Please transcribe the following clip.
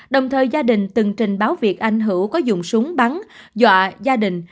đồng thời gia đình từng trình báo việc anh hữu có dùng súng bắn dọa gia đình